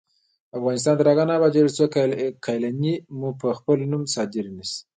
افغانستان تر هغو نه ابادیږي، ترڅو قالینې مو په خپل نوم صادرې نشي.